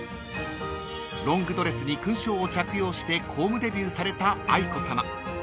［ロングドレスに勲章を着用して公務デビューされた愛子さま］